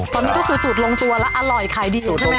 ตอนนี้ได้สูตรลงตัวแล้วอร่อยขายดีแล้วใช่ไหมคะ